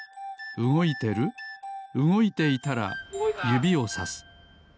うごいていたらゆびをさす。